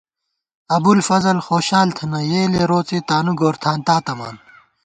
ابُوالفضل خوشال تھنہ یېلےروڅےتانُوگورتھانتا تَمان